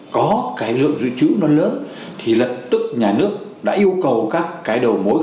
có cái lượng dự trữ nó lớn thì lập tức nhà nước đã yêu cầu các cái đầu mối